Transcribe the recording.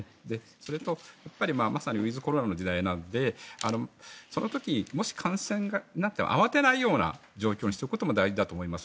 それと、まさにウィズコロナの時代なのでその時、もし感染になっても慌てないような状況にしておくことも大事だと思います。